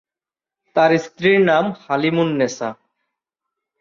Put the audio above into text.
তার স্ত্রীর নাম হালিমুন্নেছা।